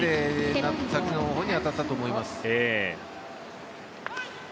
先のほうに当たったと思います。